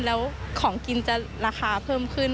แล้วของกินจะราคาเพิ่มขึ้น